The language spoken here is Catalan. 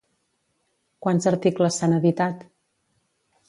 Quants articles s'han editat?